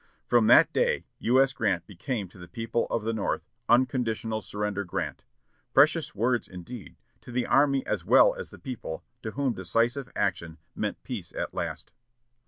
From that day U. S. Grant became to the people of the North "Unconditional Surrender" Grant; precious words, indeed, to the army as well as the people, to whom decisive action meant peace at last.